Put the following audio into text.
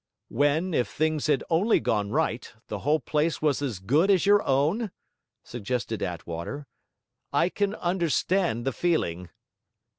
'When, if things had only gone right, the whole place was as good as your own?' suggested Attwater. 'I can understand the feeling.'